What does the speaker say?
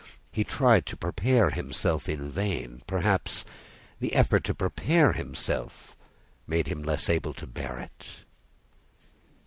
He tried to prepare himself in vain; perhaps the effort to prepare himself made him less able to bear it."